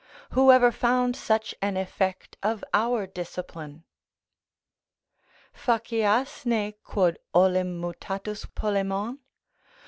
Whoever found such an effect of our discipline? "Faciasne, quod olim Mutatus Polemon?